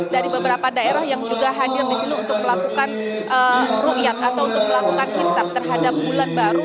dari beberapa daerah yang juga hadir di sini untuk melakukan ⁇ ruyat atau untuk melakukan hisap terhadap bulan baru